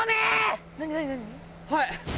はい！